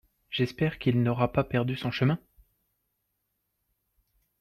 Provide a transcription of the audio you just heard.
J'espère qu'il n'aura pas perdu son chemin !